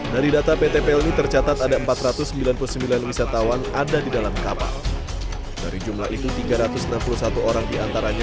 dari data pt pelni tercatat ada empat ratus sembilan puluh sembilan wisatawan ada di dalam kapal dari jumlah itu tiga ratus enam puluh satu orang diantaranya